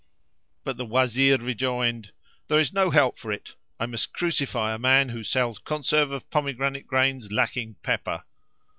But the Wazir rejoined, "There is no help for it; I must crucify a man who sells conserve of pomegranate grains lacking pepper."